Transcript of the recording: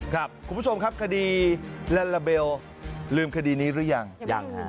คุณผู้ชมครับคดีลาลาเบลลืมคดีนี้หรือยังยังฮะ